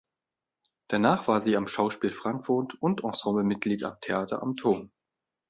Danach war sie am Schauspiel Frankfurt und Ensemblemitglied am Theater am Turm.